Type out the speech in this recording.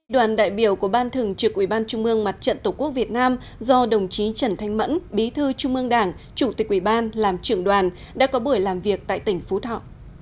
đoàn đại biểu của ban thường trực ủy ban trung mương mặt trận tổ quốc việt nam do đồng chí trần thanh mẫn bí thư trung ương đảng chủ tịch ủy ban làm trưởng đoàn đã có buổi làm việc tại tỉnh phú thọ